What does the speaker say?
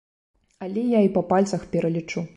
Але я і па пальцах пералічу.